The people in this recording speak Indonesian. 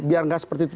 biar nggak seperti itu